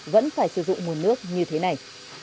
vẫn phải sử dụng nguồn nước như thế này